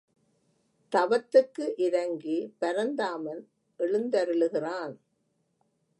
தவத்துக்கு இரங்கி, பரந்தாமன் எழுந்தருளுகிறான்.